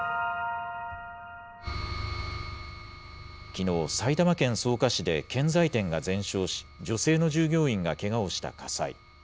きのう、埼玉県草加市で建材店が全焼し、女性の従業員がけがをした火災。